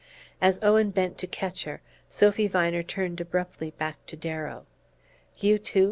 As Owen bent to catch her, Sophy Viner turned abruptly back to Darrow. "You, too?"